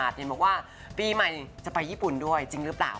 เห็นบอกว่าปีใหม่จะไปญี่ปุ่นด้วยจริงหรือเปล่า